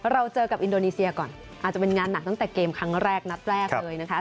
เราเจอกับอินโดนีเซียก่อนอาจจะเป็นงานหนักตั้งแต่เกมครั้งแรกนัดแรกเลยนะคะ